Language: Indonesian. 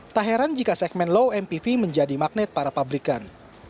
tak heran jika segmen low mpv menjadi magnet para pabrikan